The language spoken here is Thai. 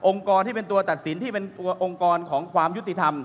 กรที่เป็นตัวตัดสินที่เป็นตัวองค์กรของความยุติธรรม